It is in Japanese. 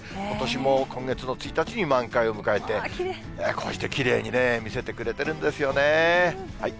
ことしも今月の１日に満開を迎えて、こうしてきれいにね、見せてくれてるんですよね。